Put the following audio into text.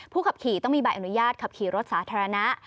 ขับขี่ต้องมีใบอนุญาตขับขี่รถสาธารณะ